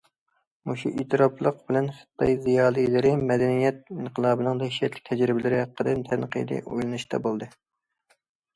مۇشۇ ئېتىراپلىق بىلەن، خىتاي زىيالىيلىرى مەدەنىيەت ئىنقىلابىنىڭ دەھشەتلىك تەجرىبىلىرى ھەققىدە تەنقىدىي ئويلىنىشتا بولدى.